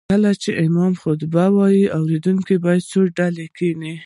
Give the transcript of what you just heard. کله چې امام خطبه وايي اوريدونکي به څه ډول کيني